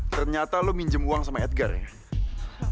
ternyata lo minjem uang sama edgar ya